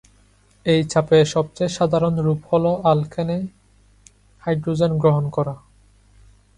এই চাপের সবচেয়ে সাধারণ রূপ হল আলকানে হাইড্রোজেন গ্রহণ করা।